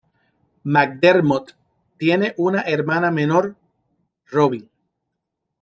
McDermott tiene una hermana menor, Robin.